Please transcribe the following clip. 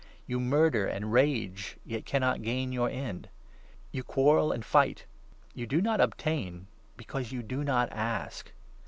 You murder and 2 rage, yet cannot gain your end. You quarrel and fight. You do not obtain, because you do not ask.